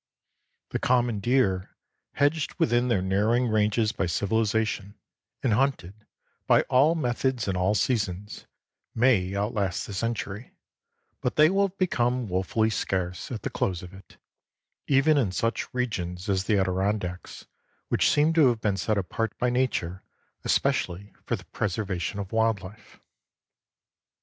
The common deer, hedged within their narrowing ranges by civilization, and hunted by all methods in all seasons, may outlast the century, but they will have become wofully scarce at the close of it, even in such regions as the Adirondacks which seem to have been set apart by nature especially for the preservation of wild life.